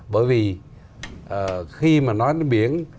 bởi vì khi mà nói đến biển